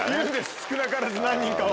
少なからず何人かは。